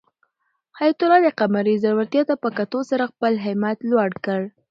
حیات الله د قمرۍ زړورتیا ته په کتو سره خپل همت لوړ کړ.